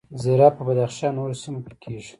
زیره په بدخشان او نورو سیمو کې کیږي